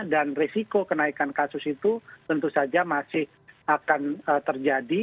dan risiko kenaikan kasus itu tentu saja masih akan terjadi